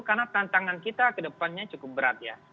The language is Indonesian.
karena tantangan kita kedepannya cukup berat ya